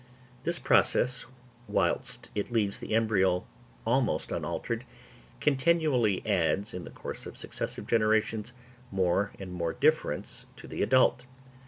This process, whilst it leaves the embryo almost unaltered, continually adds, in the course of successive generations, more and more difference to the adult.